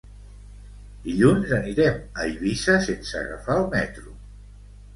Dilluns anirem a Eivissa sense agafar el metro.